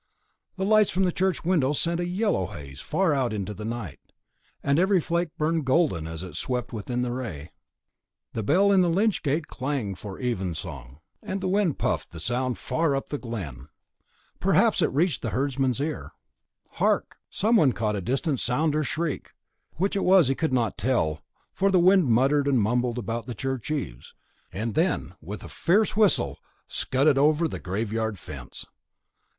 The lights from the church windows sent a yellow haze far out into the night, and every flake burned golden as it swept within the ray. The bell in the lych gate clanged for evensong, and the wind puffed the sound far up the glen; perhaps it reached the herdsman's ear. Hark! Someone caught a distant sound or shriek, which it was he could not tell, for the wind muttered and mumbled about the church eaves, and then with a fierce whistle scudded over the graveyard fence.